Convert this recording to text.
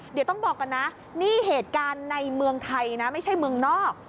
เดี๋ยวต้องบอกก่อนนะนี่เหตุการณ์ในเมืองไทยนะไม่ใช่เมืองนอก